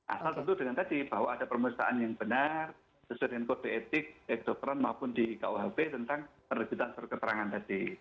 asal tentu dengan tadi bahwa ada pemeriksaan yang benar sesuai dengan kode etik exdokteran maupun di kuhp tentang penerbitan surat keterangan tadi